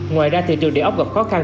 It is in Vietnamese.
ngoài ra thị trường địa ốc gặp khó khăn